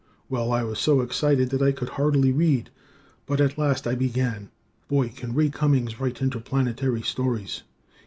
Well, I was so excited that I could hardly read, but at last I began. Boy, can Ray Cummings write interplanetary stories!